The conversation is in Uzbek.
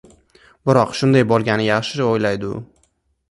— Biroq shunday bo‘lgani yaxshi! — o‘yladi u.